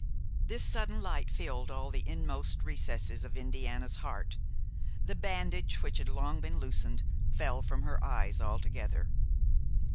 This sudden light filled all the inmost recesses of Indiana's heart; the bandage, which had long been loosened, fell from her eyes altogether.